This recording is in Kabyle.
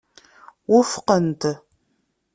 Wufqen-t.